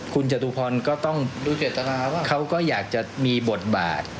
คุณจตุพรก็ต้องเขาก็อยากจะมีบทบาท